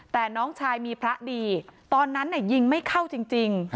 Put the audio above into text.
แต่น้องชายมีพระดีตอนนั้นยิงไม่เข้าจริง